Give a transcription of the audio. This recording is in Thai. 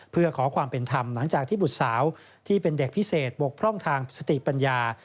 เพื่อขอความเป็นธรรมหลังจากที่บุตรสาวที่เป็นเด็กพิเศษบกพร่องทางสติปัญญา